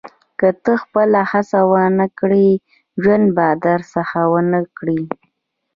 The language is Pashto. • که ته خپله هڅه ونه کړې، ژوند به درته څه ونه کړي.